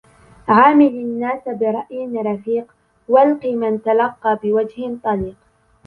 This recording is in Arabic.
عامل الناس برأي رفيق ، والق من تلقى بوجهٍ طليق.